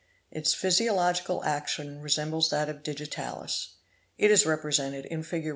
Its physiological action resembles that of digitalis. It is represented in Fig.